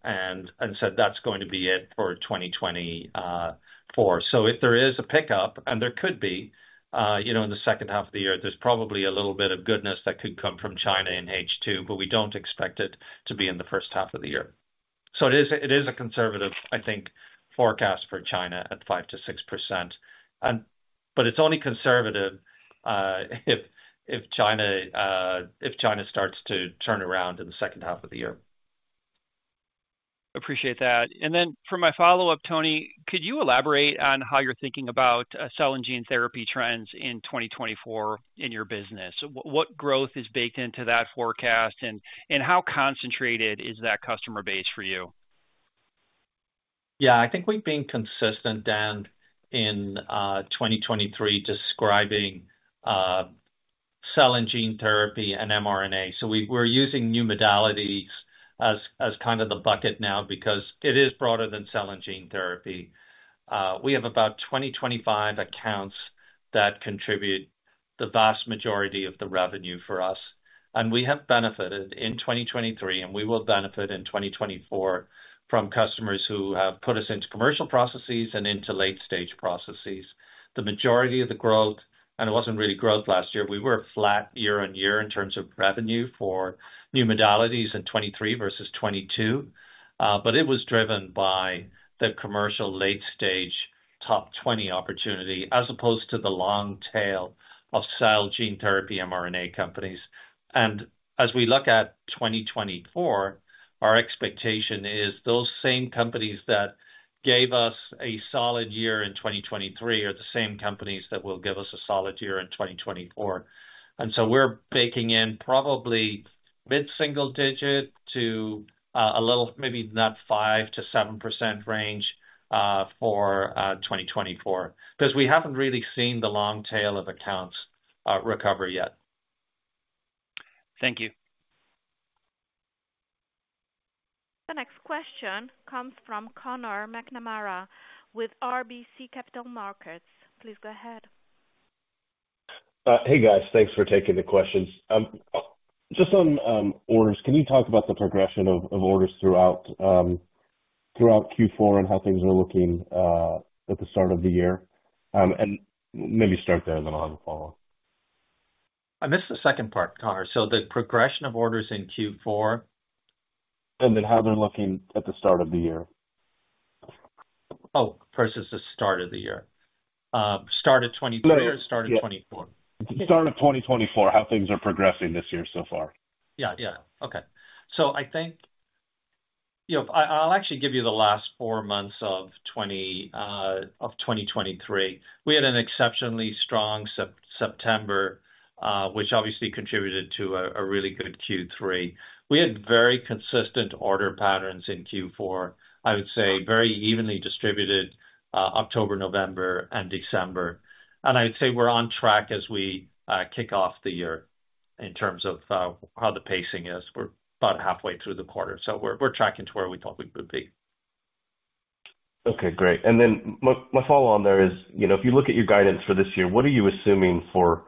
said, "That's going to be it for 2024." So if there is a pickup, and there could be in the second half of the year, there's probably a little bit of goodness that could come from China in H2, but we don't expect it to be in the first half of the year. So it is a conservative, I think, forecast for China at 5%-6%. But it's only conservative if China starts to turn around in the second half of the year. Appreciate that. And then for my follow-up, Tony, could you elaborate on how you're thinking about cell and gene therapy trends in 2024 in your business? What growth is baked into that forecast, and how concentrated is that customer base for you? Yeah, I think we've been consistent, Dan, in 2023 describing cell and gene therapy and mRNA. So we're using new modalities as kind of the bucket now because it is broader than cell and gene therapy. We have about 20-25 accounts that contribute the vast majority of the revenue for us. We have benefited in 2023, and we will benefit in 2024 from customers who have put us into commercial processes and into late-stage processes. The majority of the growth, and it wasn't really growth last year. We were flat year-over-year in terms of revenue for new modalities in 2023 versus 2022. But it was driven by the commercial late-stage top 20 opportunity as opposed to the long tail of cell gene therapy mRNA companies. And as we look at 2024, our expectation is those same companies that gave us a solid year in 2023 are the same companies that will give us a solid year in 2024. And so we're baking in probably mid-single-digit to a little maybe not 5%-7% range for 2024 because we haven't really seen the long tail of accounts recover yet. Thank you. The next question comes from Conor McNamara with RBC Capital Markets. Please go ahead. Hey, guys. Thanks for taking the questions. Just on orders, can you talk about the progression of orders throughout Q4 and how things are looking at the start of the year? And maybe start there, and then I'll have a follow-up. I missed the second part, Conor. So the progression of orders in Q4. And then how they're looking at the start of the year. Oh, versus the start of the year. Start of 2023 or start of 2024? Start of 2024, how things are progressing this year so far. Yeah, yeah. Okay. So I think I'll actually give you the last four months of 2023. We had an exceptionally strong September, which obviously contributed to a really good Q3. We had very consistent order patterns in Q4, I would say, very evenly distributed October, November, and December. And I'd say we're on track as we kick off the year in terms of how the pacing is. We're about halfway through the quarter. So we're tracking to where we thought we would be. Okay, great. And then my follow-on there is, if you look at your guidance for this year, what are you assuming for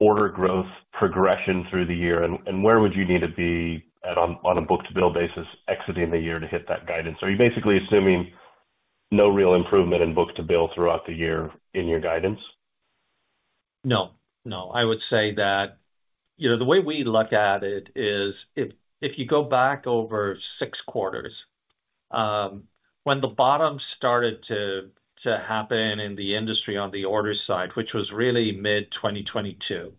order growth progression through the year? And where would you need to be on a book-to-bill basis exiting the year to hit that guidance? Are you basically assuming no real improvement in book-to-bill throughout the year in your guidance? No, no. I would say that the way we look at it is if you go back over six quarters, when the bottom started to happen in the industry on the order side, which was really mid-2022,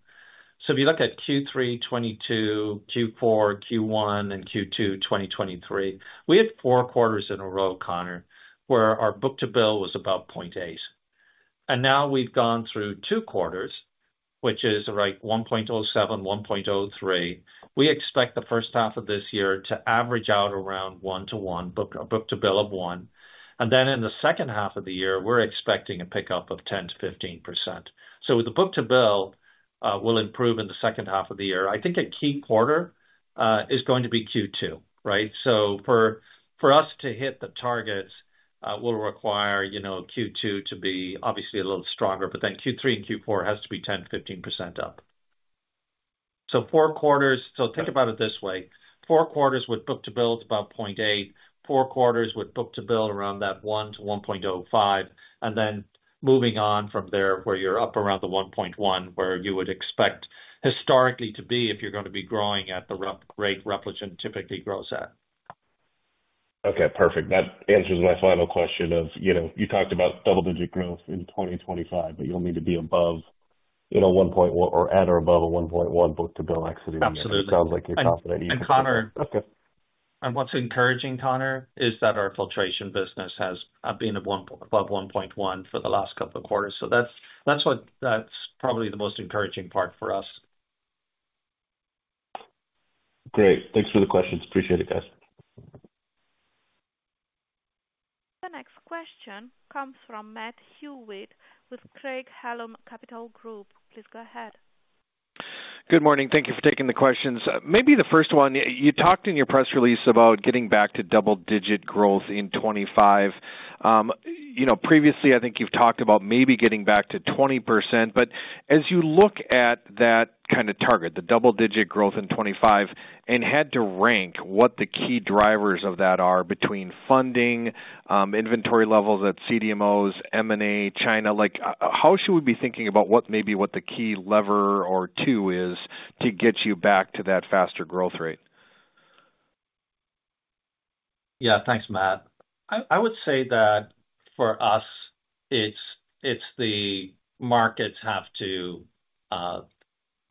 so if you look at Q3 2022, Q4, Q1, and Q2 2023, we had four quarters in a row, Conor, where our book-to-bill was about 0.8x. And now we've gone through two quarters, which is, right, 1.07x, 1.03x. We expect the first half of this year to average out around 1 to 1, a book-to-bill of 1. And then in the second half of the year, we're expecting a pickup of 10%-15%. So with the book-to-bill, we'll improve in the second half of the year. I think a key quarter is going to be Q2, right? So for us to hit the targets, we'll require Q2 to be obviously a little stronger, but then Q3 and Q4 has to be 10%-15% up. So think about it this way. Four quarters with book-to-bill is about 0.8x. Four quarters with book-to-bill around that 1x-1.05x. And then moving on from there where you're up around the 1.1x, where you would expect historically to be if you're going to be growing at the rate Repligen typically grows at. Okay, perfect. That answers my final question of you talked about double-digit growth in 2025, but you'll need to be above 1.1x or at or above a 1.1x book-to-bill exiting the year. It sounds like you're confident you can. And Conor, and what's encouraging, Conor, is that our filtration business has been above 1.1x for the last couple of quarters. That's probably the most encouraging part for us. Great. Thanks for the questions. Appreciate it, guys. The next question comes from Matt Hewitt with Craig-Hallum Capital Group. Please go ahead. Good morning. Thank you for taking the questions. Maybe the first one, you talked in your press release about getting back to double-digit growth in 2025. Previously, I think you've talked about maybe getting back to 20%. But as you look at that kind of target, the double-digit growth in 2025, and had to rank what the key drivers of that are between funding, inventory levels at CDMOs, M&A, China, how should we be thinking about maybe what the key lever or two is to get you back to that faster growth rate? Yeah, thanks, Matt. I would say that for us, it's the markets have to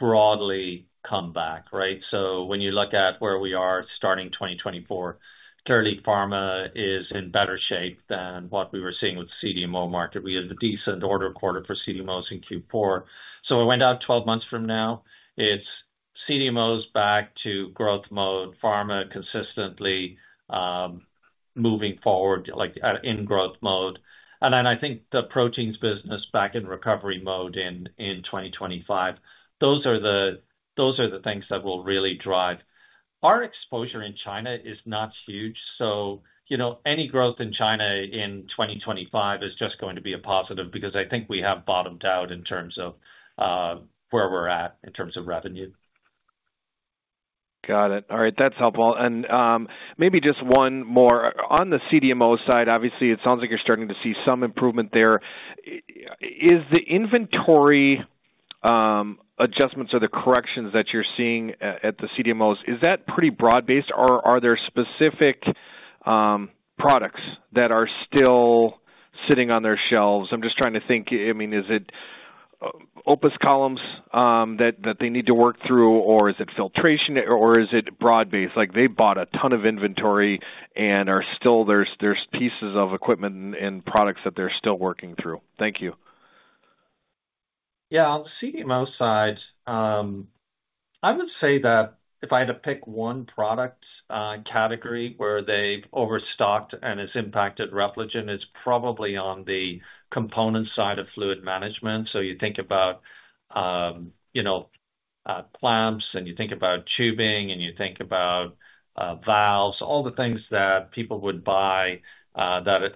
broadly come back, right? So when you look at where we are starting 2024, clearly, pharma is in better shape than what we were seeing with the CDMO market. We had a decent order quarter for CDMOs in Q4. So it went out 12 months from now. It's CDMOs back to growth mode, pharma consistently moving forward in growth mode. And then I think the proteins business back in recovery mode in 2025, those are the things that will really drive. Our exposure in China is not huge. So any growth in China in 2025 is just going to be a positive because I think we have bottomed out in terms of where we're at in terms of revenue. Got it. All right. That's helpful. And maybe just one more. On the CDMO side, obviously, it sounds like you're starting to see some improvement there. Is the inventory adjustments or the corrections that you're seeing at the CDMOs, is that pretty broad-based? Or are there specific products that are still sitting on their shelves? I'm just trying to think. I mean, is it OPUS columns that they need to work through, or is it filtration, or is it broad-based? They bought a ton of inventory and there's pieces of equipment and products that they're still working through. Thank you. Yeah, on the CDMO side, I would say that if I had to pick one product category where they've overstocked and it's impacted Repligen, it's probably on the component side of fluid management. So you think about clamps, and you think about tubing, and you think about valves, all the things that people would buy that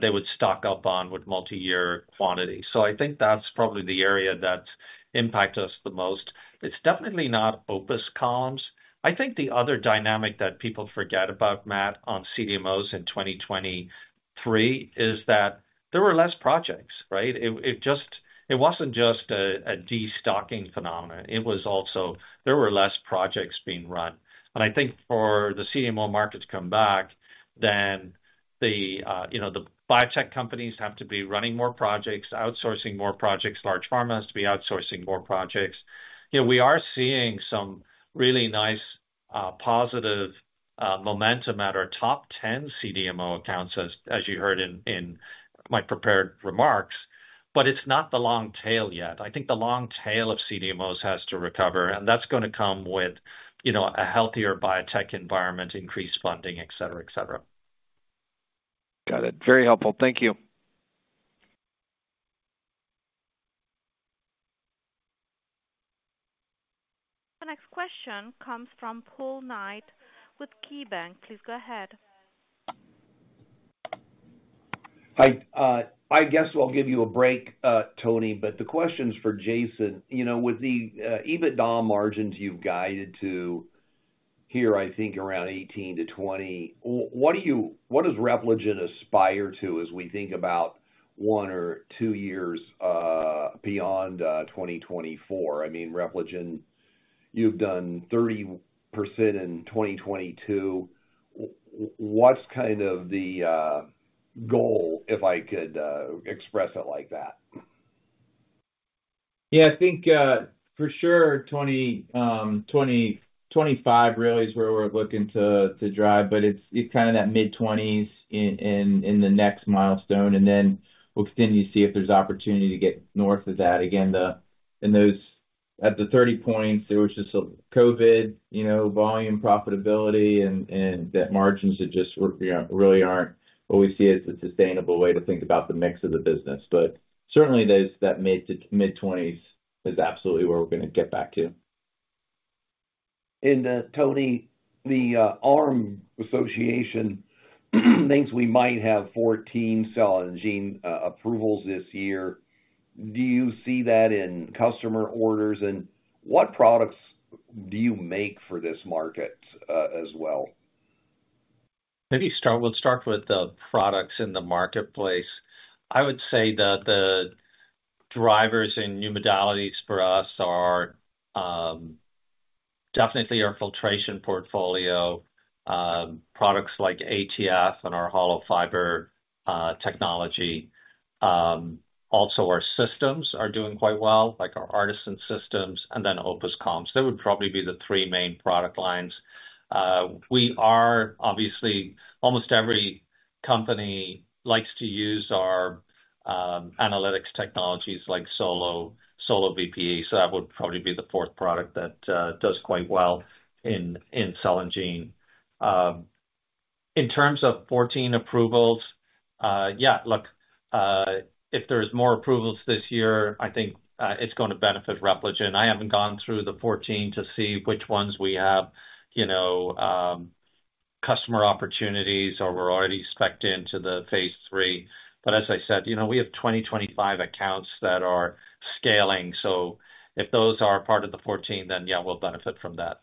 they would stock up on with multi-year quantity. So I think that's probably the area that's impacted us the most. It's definitely not OPUS columns. I think the other dynamic that people forget about, Matt, on CDMOs in 2023 is that there were less projects, right? It wasn't just a destocking phenomenon. There were less projects being run. And I think for the CDMO market to come back, then the biotech companies have to be running more projects, outsourcing more projects. Large pharma has to be outsourcing more projects. We are seeing some really nice positive momentum at our top 10 CDMO accounts, as you heard in my prepared remarks. But it's not the long tail yet. I think the long tail of CDMOs has to recover. And that's going to come with a healthier biotech environment, increased funding, etc., etc. Got it. Very helpful. Thank you. The next question comes from Paul Knight with KeyBanc. Please go ahead. I guess we'll give you a break, Tony. But the question for Jason, with the EBITDA margins you've guided to here, I think, around 18%-20%, what does Repligen aspire to as we think about one or two years beyond 2024? I mean, Repligen, you've done 30% in 2022. What's kind of the goal, if I could express it like that? Yeah, I think for sure, 2025 really is where we're looking to drive. But it's kind of that mid-20s% in the next milestone. And then we'll continue to see if there's opportunity to get north of that. Again, at the 30 points, there was just COVID, volume, profitability, and that margins just really aren't what we see as a sustainable way to think about the mix of the business. But certainly, that mid-20s% is absolutely where we're going to get back to. Tony, the ARM Association thinks we might have 14 cell and gene approvals this year. Do you see that in customer orders? And what products do you make for this market as well? Maybe we'll start with the products in the marketplace. I would say that the drivers in new modalities for us definitely are filtration portfolio, products like ATF and our hollow fiber technology. Also, our systems are doing quite well, like our ARTeSYN systems and then OPUS columns. They would probably be the three main product lines. Obviously, almost every company likes to use our analytics technologies like SoloVPE. So that would probably be the fourth product that does quite well in cell and gene. In terms of 14 approvals, yeah, look, if there's more approvals this year, I think it's going to benefit Repligen. I haven't gone through the 14 to see which ones we have customer opportunities or we're already spec'd into the phase III. But as I said, we have 20-25 accounts that are scaling. So if those are part of the 14, then yeah, we'll benefit from that.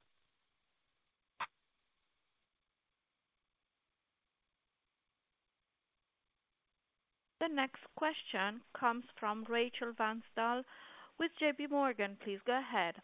The next question comes from Rachel Vatnsdal with JPMorgan. Please go ahead.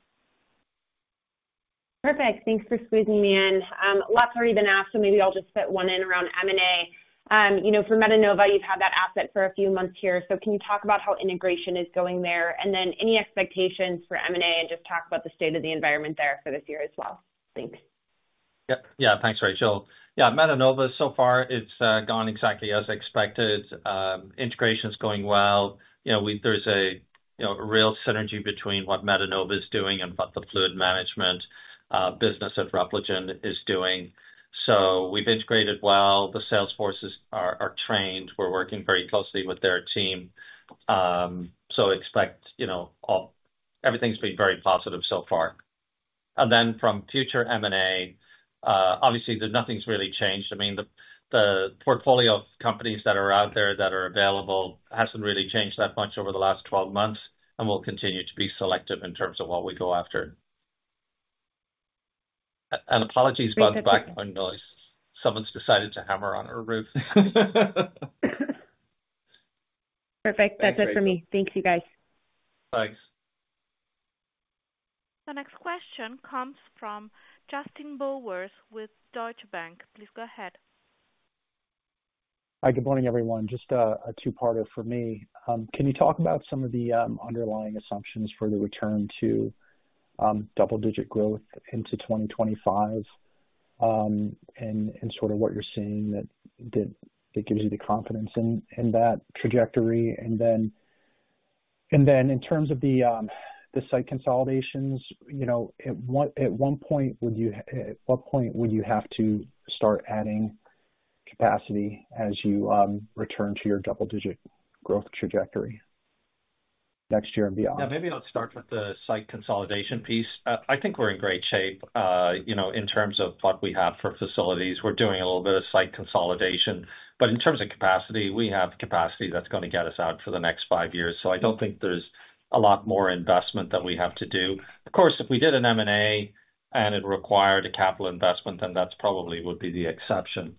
Perfect. Thanks for squeezing me in. Lots already been asked, so maybe I'll just fit one in around M&A. For Metenova, you've had that asset for a few months here. So can you talk about how integration is going there? And then any expectations for M&A and just talk about the state of the environment there for this year as well? Thanks. Yep. Yeah, thanks, Rachel. Yeah, Metenova, so far, it's gone exactly as expected. Integration is going well. There's a real synergy between what Metenova is doing and what the fluid management business at Repligen is doing. So we've integrated well. The sales forces are trained. We're working very closely with their team. So expect everything's been very positive so far. And then from future M&A, obviously, nothing's really changed. I mean, the portfolio of companies that are out there that are available hasn't really changed that much over the last 12 months. And we'll continue to be selective in terms of what we go after. And apologies, Bob, background noise. Someone's decided to hammer on our roof. Perfect. That's it for me. Thanks, you guys. Thanks. The next question comes from Justin Bowers with Deutsche Bank. Please go ahead. Hi, good morning, everyone. Just a two-parter for me. Can you talk about some of the underlying assumptions for the return to double-digit growth into 2025 and sort of what you're seeing that gives you the confidence in that trajectory? And then in terms of the site consolidations, at what point would you have to start adding capacity as you return to your double-digit growth trajectory next year and beyond? Yeah, maybe I'll start with the site consolidation piece. I think we're in great shape in terms of what we have for facilities. We're doing a little bit of site consolidation. But in terms of capacity, we have capacity that's going to get us out for the next five years. So I don't think there's a lot more investment that we have to do. Of course, if we did an M&A and it required a capital investment, then that probably would be the exception.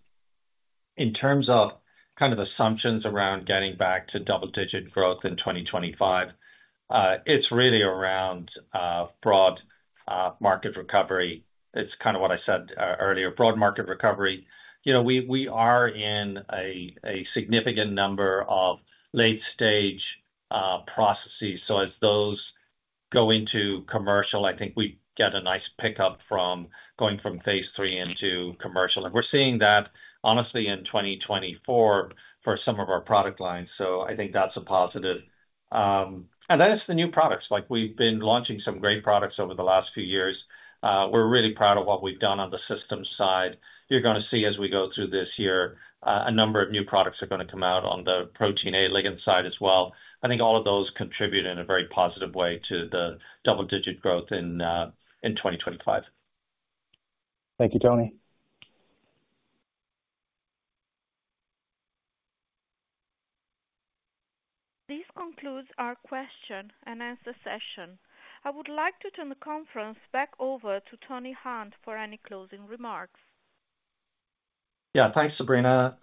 In terms of kind of assumptions around getting back to double-digit growth in 2025, it's really around broad market recovery. It's kind of what I said earlier, broad market recovery. We are in a significant number of late-stage processes. So as those go into commercial, I think we get a nice pickup from going from phase III into commercial. And we're seeing that, honestly, in 2024 for some of our product lines. So I think that's a positive. And then it's the new products. We've been launching some great products over the last few years. We're really proud of what we've done on the systems side. You're going to see as we go through this year, a number of new products are going to come out on the Protein A ligand side as well. I think all of those contribute in a very positive way to the double-digit growth in 2025. Thank you, Tony. This concludes our question and answer session. I would like to turn the conference back over to Tony Hunt for any closing remarks. Yeah, thanks, Sabrina.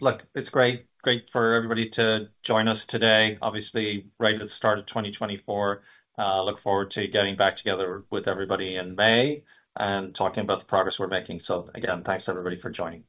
Look, it's great for everybody to join us today. Obviously, right at the start of 2024, look forward to getting back together with everybody in May and talking about the progress we're making. So again, thanks, everybody, for joining.